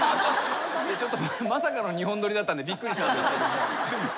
まさかの２本撮りだったんでびっくりしたんですけども。